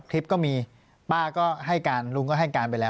คลิปก็มีป้าก็ให้การลุงก็ให้การไปแล้ว